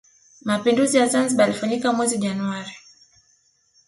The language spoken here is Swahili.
mapinduzi ya zanzibar yalifanyika mwezi januari